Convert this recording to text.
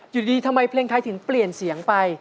อยู่ดีทำไมเพลงไทยถึงเปลี่ยนเสียงไป